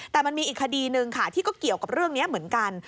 แต่มันมีอีกคดีหนึ่งค่ะที่ก็เกี่ยวกับเรื่องนี้เหมือนกัน